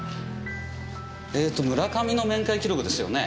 えーと村上の面会記録ですよね？